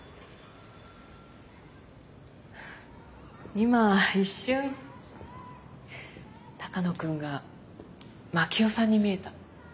今一瞬鷹野君が真樹夫さんに見えた。